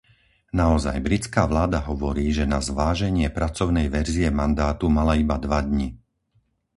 Naozaj, britská vláda hovorí, že na zváženie pracovnej verzie mandátu mala iba dva dni.